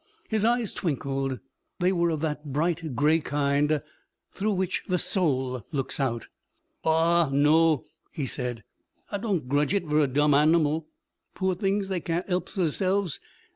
His eyes twinkled; they were of that bright gray kind through which the soul looks out. 'Aw, no!' he said. 'Ah, don't grudge it vur a dumb animal. Poor things they can't 'elp theirzelves.